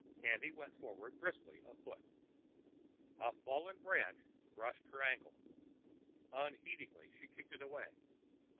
Candy went forward briskly afoot. A fallen branch brushed her ankle. Unheedingly, she kicked it away.